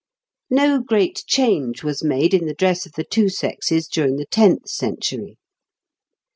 No great change was made in the dress of the two sexes during the tenth century.